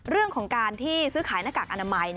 เรื่องของการที่ซื้อขายหน้ากากอนามัย